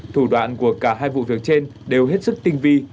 thủ đoạn của cả hai vụ việc trên đều hết sức tinh vi